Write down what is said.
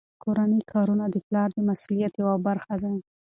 کورني کارونه د پلار د مسؤلیت یوه برخه ده.